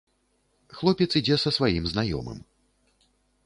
Хлопец ідзе са сваім знаёмым.